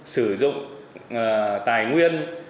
sử dụng tài nguyên